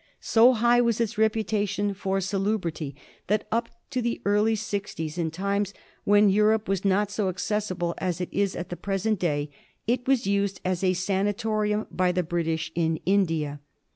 So high I04 MALARIA. was its reputation for salubrity that up to the early sixties, in times when Europe was not so accessible as it is at the present day, it was used as a sanatorium by the British in India.